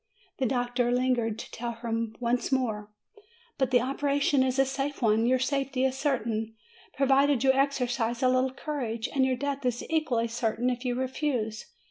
The doctor lingered to tell her once more : "But the operation is a safe one; your safety is certain, provided you exercise a little courage! And your death is equally certain if you refuse!"